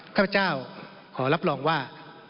ข้าพเจ้าขอรับรองว่า